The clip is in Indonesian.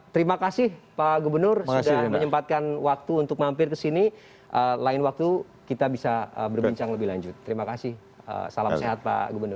terima kasih pak gubernur sudah menyempatkan waktu untuk mampir ke sini lain waktu kita bisa berbincang lebih lanjut terima kasih salam sehat pak gubernur